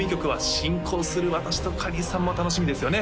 進行する私とかりんさんも楽しみですよね